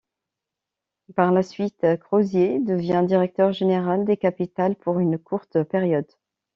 Par la suite, Crozier devient directeur-général des Capitals pour une courte période.